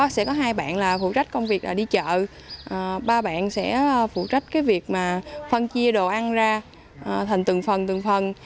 sẽ có hai bạn là phụ trách công việc đi chợ ba bạn sẽ phụ trách việc phân chia đồ ăn ra thành từng phần từng phần